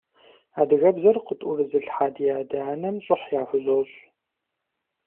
Адыгэбзэр къытӀурызылъхьа ди адэ-анэм щӀыхь яхузощӀ.